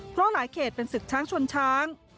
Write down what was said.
เพราะหลายเขตเป็นศึกช้างชนช้าง